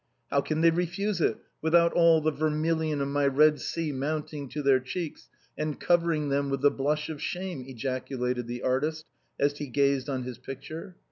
" How can they refuse it, without all the vermilion of my Eed Sea mounting to their cheeks, and covering them with the blush of shame ?" ejaculated the artist, as he gazed on his picture.